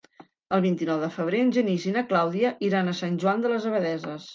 El vint-i-nou de febrer en Genís i na Clàudia iran a Sant Joan de les Abadesses.